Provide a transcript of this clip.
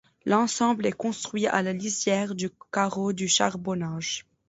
L'ensemble est construit à la lisière du carreau du charbonnage.